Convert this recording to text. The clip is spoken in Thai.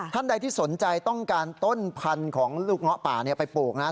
ท่านใดที่สนใจต้องการต้นพันธุ์ของลูกเงาะป่าไปปลูกนะ